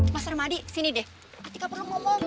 mas ramadi sini deh